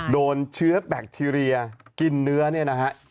โดนเชื้อแบคทีเรียกินเนื้อเนี่ยนะฮะ